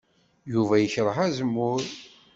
Yuba yekṛeh azemmur.